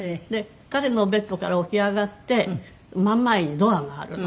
彼のベッドから起き上がって真ん前にドアがあるの。